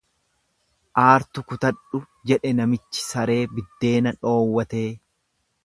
Aartu kutadhu jedhe namichi saree biddeena dhoowwatee.